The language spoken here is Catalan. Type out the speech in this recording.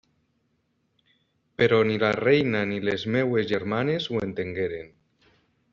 Però ni la reina ni les meues germanes ho entengueren.